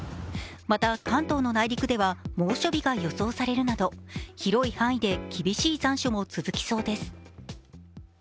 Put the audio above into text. また、関東の内陸では猛暑日が予想されるなど広い範囲で厳しい残暑も続きそうです。